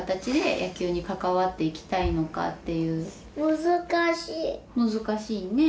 難しい難しいねえ